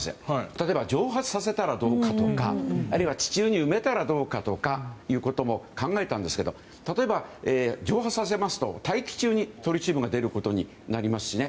例えば、蒸発させたらどうかとかあるいは地中に埋めたらどうかということも考えたんですけど例えば蒸発させますと大気中にトリチウムが出ることになりますしね。